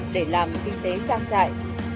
để làm kinh tế trang trại